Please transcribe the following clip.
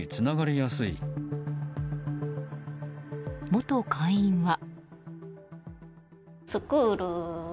元会員は。